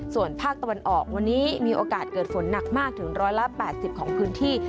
ส่วนภาคตะวันออกวันนี้มีโอกาสเกิดฝนหนักมากถึง๑๘๐ของพื้นที่